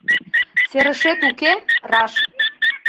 Серышет уке — раш.